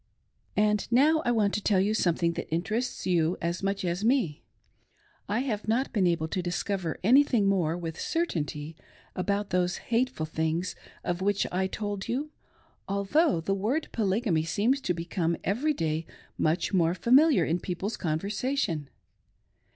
And now I want to tell you something that interests you as much as me. I have not been able to discover anything more with certainty about those hateful things of which I told you, although the word Polygamy seems to me to become every day much more familiar in people's conversation.